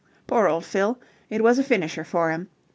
Poor old Fill! It was a finisher for him.